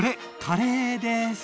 カレーです！